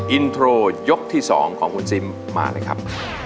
อินโทรยกที่๒ของคุณซิมมาเลยครับ